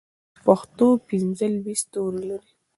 پښتو پنځه لوی ستوري لري.